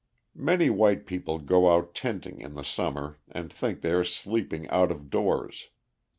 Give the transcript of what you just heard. Many white people go out tenting in the summer and think they are sleeping out of doors.